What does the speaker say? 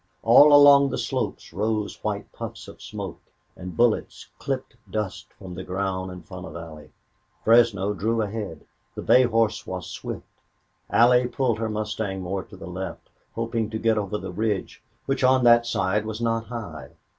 All along the slopes rose white puffs of smoke, and bullets clipped dust from the ground in front of Allie. Fresno drew ahead. The bay horse was swift. Allie pulled her mustang more to the left, hoping to get over the ridge, which on that side was not high.